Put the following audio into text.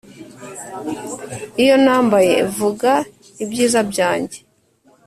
iyo nambaye, vuga, ibyiza byanjye